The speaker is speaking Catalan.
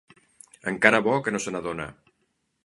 Encara bo que no se n'adona.